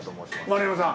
丸山さん。